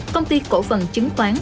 công ty cổ phần chứng khoán